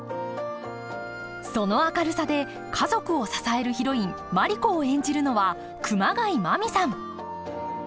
その明るさで家族を支えるヒロインマリ子を演じるのは熊谷真実さん